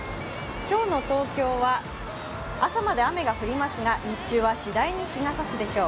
今日の東京は朝まで雨が降りますが日中はしだいに日がさすでしょう。